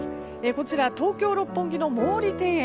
こちら東京・六本木の毛利庭園。